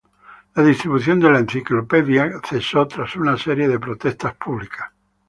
La distribución de la enciclopedia cesó tras una serie de protestas públicas.